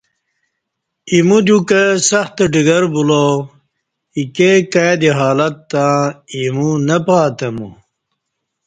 ایمو دیوکہ سخت ڈگر بولا اِیکے کائ دی حالات تہ اِیمو نہ پاتمو